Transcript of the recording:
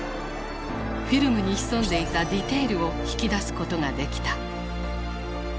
フィルムに潜んでいたディテールを引き出すことができた。